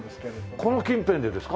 この近辺でですか？